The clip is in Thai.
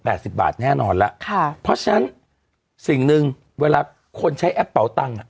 สิบบาทแน่นอนแล้วค่ะเพราะฉะนั้นสิ่งหนึ่งเวลาคนใช้แอปเป่าตังค์อ่ะ